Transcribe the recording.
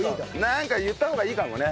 なんか言った方がいいかもね。